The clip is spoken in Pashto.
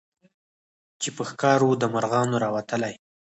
چي په ښکار وو د مرغانو راوتلی